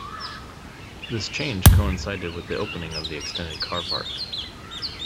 This change coincided with the opening of the extended car park.